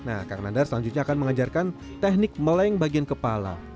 nah kang nandar selanjutnya akan mengajarkan teknik meleng bagian kepala